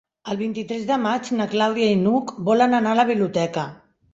El vint-i-tres de maig na Clàudia i n'Hug volen anar a la biblioteca.